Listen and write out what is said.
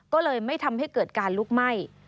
ก็เลยไม่ทำให้เกิดการลุกไหม้